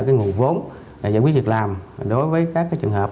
cái nguồn vốn giải quyết việc làm đối với các trường hợp